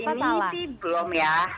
kalau yang ketiga ini belum ya